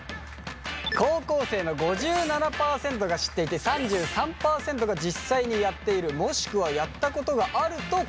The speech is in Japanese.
高校生の５７％が知っていて３３％が実際にやっているもしくはやったことがあると答えました。